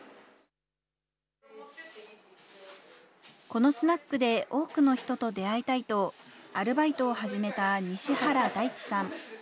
このスナックで多くの人と出会いたいと、アルバイトを始めた西原大智さん。